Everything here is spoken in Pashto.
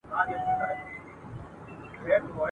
لا یې ستوني ته نغمه نه وه راغلې ..